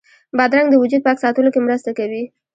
بادرنګ د وجود پاک ساتلو کې مرسته کوي.